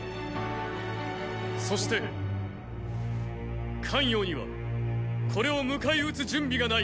そして咸陽にはこれを迎え撃つ準備がない。